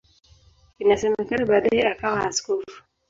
Inasemekana baadaye akawa askofu.